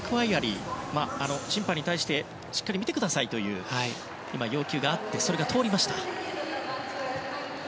審判に対してしっかり見てくださいという要求があり、それが通りました。